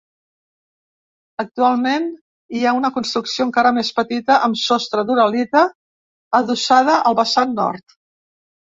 Actualment hi ha una construcció encara més petita, amb sostre d'uralita, adossada al vessant nord.